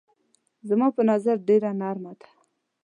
زما په نظر ډېره نرمه ده.